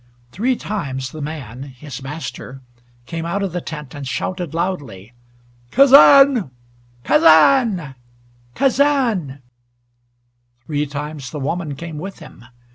Three times the man his master came out of the tent, and shouted loudly, "Kazan Kazan Kazan!" Three times the woman came with him.